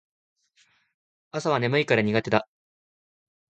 朝は眠いから苦手だ